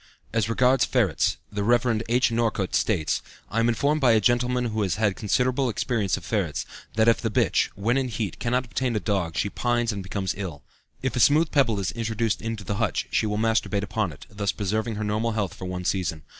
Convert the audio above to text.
As regards ferrets, the Rev. H. Northcote states: "I am informed by a gentleman who has had considerable experience of ferrets, that if the bitch, when in heat, cannot obtain a dog she pines and becomes ill. If a smooth pebble is introduced into the hutch, she will masturbate upon it, thus preserving her normal health for one season.